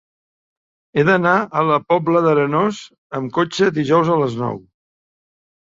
He d'anar a la Pobla d'Arenós amb cotxe dijous a les nou.